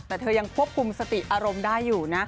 แต่เธอยังควบคุมสติอารมณ์ได้อยู่นะ